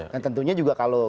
dan tentunya juga kalau